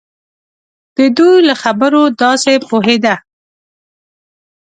د دوی له خبرو داسې پوهېده.